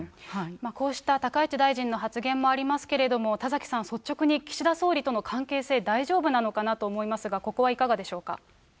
こうした高市大臣の発言もありますけれども、田崎さん、率直に岸田総理との関係性、大丈夫なのかなと思いますが、ここはいかがでしょうか。